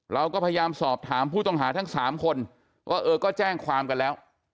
เราก็พยายามสอบถามผู้ต้องหาทั้ง๓คนว่าเออก็แจ้งความกันแล้ว